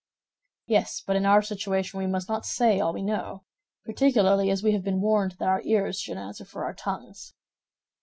"Yes; but in our situation we must not say all we know—particularly as we have been warned that our ears should answer for our tongues."